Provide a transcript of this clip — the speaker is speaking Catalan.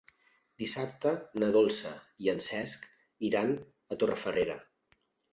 Dissabte na Dolça i en Cesc iran a Torrefarrera.